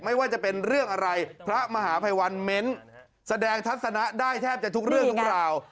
ไม่ว่าจะเป็นเรื่องอะไรพระมหาภัยวันเม้นแสดงทัศนะได้แทบจะทุกเรื่องทุกราว